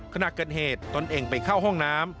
ขณะเกิดเหตุตนเองไปเข้าห้องน้ำ